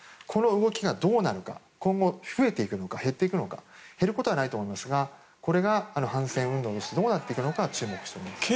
この動きがどうなるか今後、増えていくのか減っていくのか減ることはないと思いますが反戦運動としてこれがどうなっていくのか注目しています。